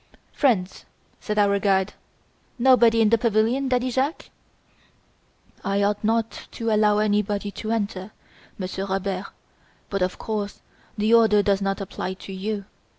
"Friends," said our guide. "Nobody in the pavilion, Daddy Jacques?" "I ought not to allow anybody to enter, Monsieur Robert, but of course the order does not apply to you.